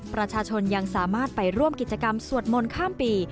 ประชาชนยังสามารถไปร่วมกิจกรรมสวดมนต์ข้ามปี